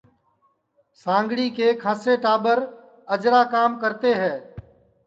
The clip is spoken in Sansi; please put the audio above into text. سانگھڑی کے کھاسیے ٹاٻر اجرا کام کرتے ہے